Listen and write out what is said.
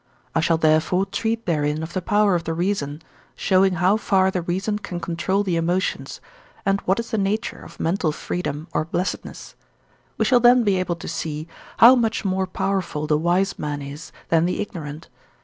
I shall therefore treat therein of the power of the reason, showing how far the reason can control the emotions, and what is the nature of Mental Freedom or Blessedness; we shall then be able to see, how much more powerful the wise man is than the ignorant.